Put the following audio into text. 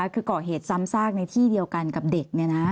คือก่อเหตุซ้ำซากในที่เดียวกันกับเด็ก